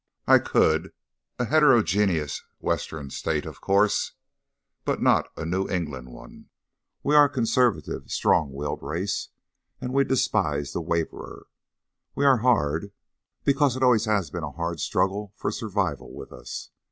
I could a heterogeneous Western State, of course, but not a New England one. We are a conservative, strong willed race, and we despise the waverer. We are hard because it always has been a hard struggle for survival with us.